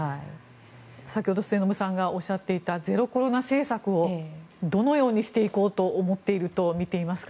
先ほど末延さんがおっしゃっていたゼロコロナ政策をどのようにしていこうと思っていると見ていますか？